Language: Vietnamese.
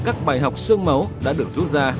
các bài học sương máu đã được rút ra